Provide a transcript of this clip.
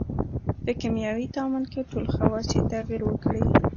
په کیمیاوي تعامل کې ټول خواص یې تغیر وکړي.